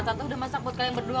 tante udah masak buat kalian berdua